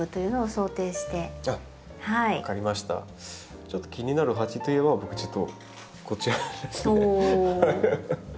ちょっと気になる鉢といえば僕ちょっとこちらですね。